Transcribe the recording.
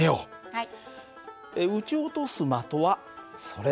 はい。